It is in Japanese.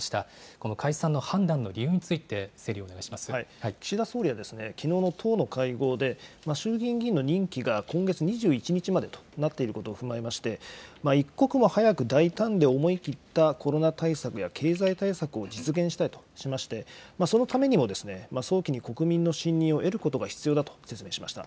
この解散の判断の理由について、岸田総理は、きのうの党の会合で、衆議院議員の任期が今月２１日までとなっていることを踏まえまして、一刻も早く大胆で思い切ったコロナ対策や経済対策を実現したいとしまして、そのためにも、早期に国民の信任を得ることが必要だと説明しました。